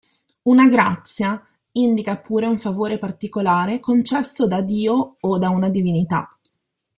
Una "grazia" indica pure un favore particolare concesso da Dio o da una divinità.